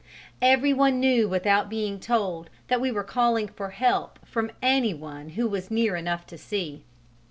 Every one knew without being told that we were calling for help from any one who was near enough to see.